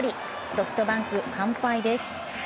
ソフトバンク、完敗です。